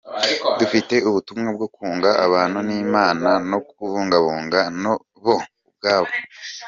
Dufite ubutumwa bwo kunga abantu n’Imana no kubunga na bo ubwabo.